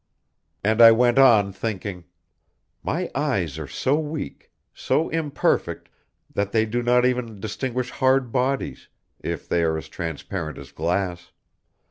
And I went on thinking: my eyes are so weak, so imperfect, that they do not even distinguish hard bodies, if they are as transparent as glass!...